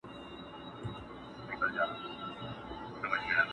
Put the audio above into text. خونه له شنو لوګیو ډکه ډېوه نه بلیږي٫